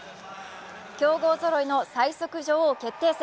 強豪揃いの最速女王決定戦。